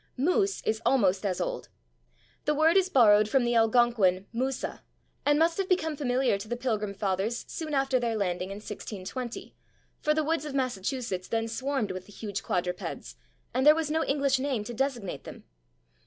/Moose/ is almost as old. The word is borrowed from the Algonquin /musa/, and must have become familiar to the Pilgrim Fathers soon after their landing in 1620, for the woods of Massachusetts then swarmed with the huge quadrupeds and there was no English name to designate them.